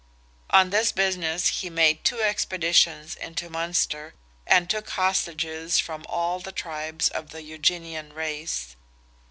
On this business he made two expeditions into Munster, and took hostages from all the tribes of the Eugenian race.